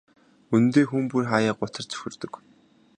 Үнэндээ хүн бүр хааяа гутарч цөхөрдөг.